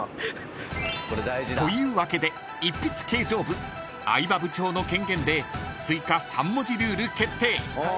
［というわけで一筆啓上部相葉部長の権限で追加３文字ルール決定］